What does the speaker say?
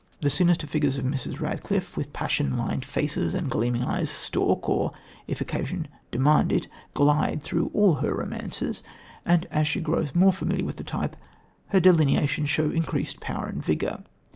The sinister figures of Mrs. Radcliffe, with passion lined faces and gleaming eyes, stalk or, if occasion demand it, glide through all her romances, and as she grows more familiar with the type, her delineations show increased power and vigour.